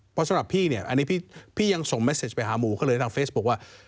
เพราะสำหรับพี่เนี่ยอันนี้พี่ยังส่งเม็ดเสร็จไปหาหมูก็เลยทางเฟซบุ๊คว่า